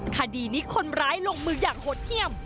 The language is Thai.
คดีนี้คนร้ายลงมืออย่างหดเยี่ยม